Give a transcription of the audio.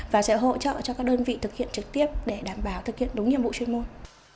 và sẽ hỗ trợ cho các đơn vị thực hiện trực tiếp để đảm bảo thực hiện đúng nhiệm vụ chuyên môn